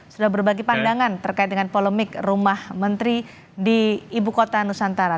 sudah berbagi pandangan terkait dengan polemik rumah menteri di ibu kota nusantara